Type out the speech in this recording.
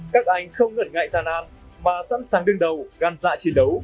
các anh không ngẩn ngại gian nan mà sẵn sàng đương đầu gan dạ chiến đấu